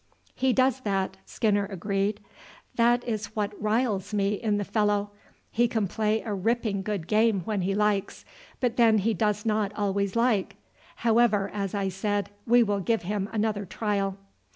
"He does that," Skinner agreed; "that is what riles me in the fellow. He can play a ripping good game when he likes, but then he does not always like. However, as I said, we will give him another trial."